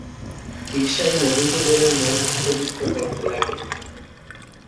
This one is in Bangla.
ঈর্ষায় মধুসূদনের মন ক্ষতবিক্ষত হতে লাগল।